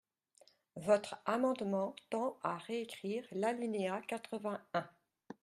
Votre amendement tend à réécrire l’alinéa quatre-vingt-un.